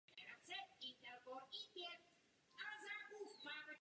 Režisérem filmu je Pete Travis.